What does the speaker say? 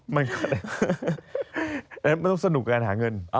มันต้องสนุกกับการหาเงิน